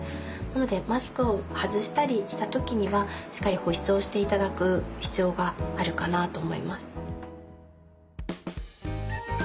なのでマスクを外したりした時にはしっかり保湿をして頂く必要があるかなと思います。